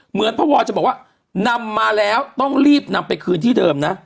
เหมือนพระวอลจะบอกว่านำมาแล้วต้องรีบนำไปคืนที่เดิมนะ